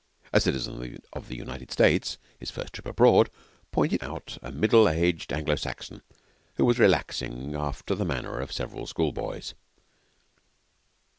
A citizen of the United States his first trip abroad pointed out a middle aged Anglo Saxon who was relaxing after the manner of several school boys.